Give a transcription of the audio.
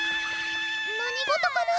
何事かな？